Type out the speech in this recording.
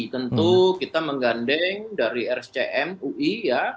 tentu kita menggandeng dari rscm ui ya